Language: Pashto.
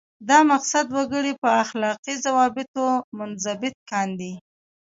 دا مقصد وګړي په اخلاقي ضوابطو منضبط کاندي.